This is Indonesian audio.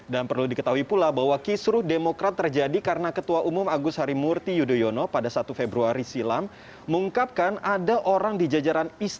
dan perlu diketahui pula bahwa kisru demokrat terjadi karena ketua umum agus harimurti yudhoyono pada satu februari silam mengungkapkan ada orang di jajaran istimewa